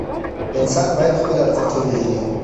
انسان باید خپل ارزښت وپېژني.